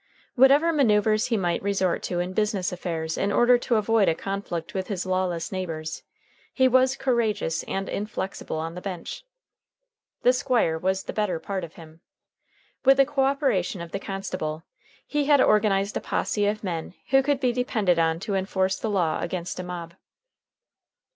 Whatever maneuvers he might resort to in business affairs in order to avoid a conflict with his lawless neighbors, he was courageous and inflexible on the bench. The Squire was the better part of him. With the co operation of the constable, he had organized a posse of men who could be depended on to enforce the law against a mob.